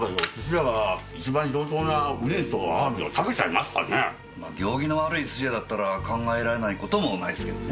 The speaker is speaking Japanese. まあ行儀の悪い寿司屋だったら考えられないこともないっすけどね。